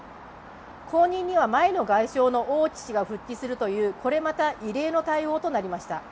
後任には、前の外相の王毅氏が復帰するというこれまた異例の対応となりました。